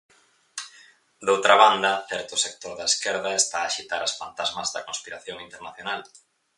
Doutra banda, certo sector da esquerda está a axitar as pantasmas da conspiración internacional.